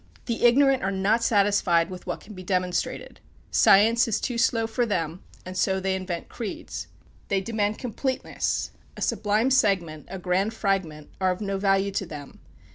The ignorant are not satisfied with what can be demonstrated. Science is too slow for them, and so they invent creeds. They demand completeness. A sublime segment, a grand fragment, are of no value to them.